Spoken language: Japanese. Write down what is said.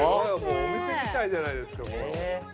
お店みたいじゃないですか。